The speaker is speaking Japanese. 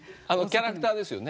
キャラクターです。